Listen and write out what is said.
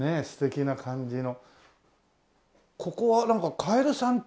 素敵な感じで。